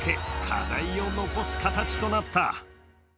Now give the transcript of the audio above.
課題を残す形となった。